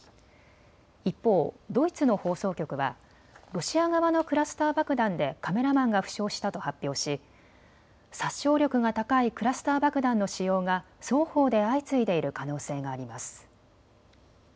一方、ドイツの放送局はロシア側のクラスター爆弾でカメラマンが負傷したと発表し殺傷力が高いクラスター爆弾の使用が双方で相次いでいる可能性があります。